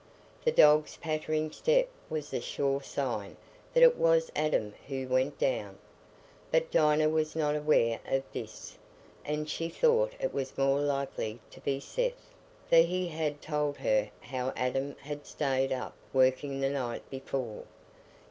The dog's pattering step was a sure sign that it was Adam who went down; but Dinah was not aware of this, and she thought it was more likely to be Seth, for he had told her how Adam had stayed up working the night before.